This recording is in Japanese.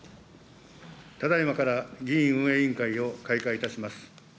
ただいまから議院運営委員会を開会いたします。